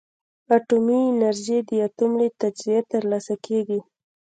اټومي انرژي د اتوم له تجزیې ترلاسه کېږي.